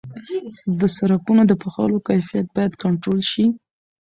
د سرکونو د پخولو کیفیت باید کنټرول شي.